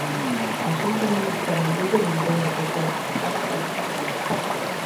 A Xunta non dispón en Vigo de vivendas sociais axeitadas para esta familia.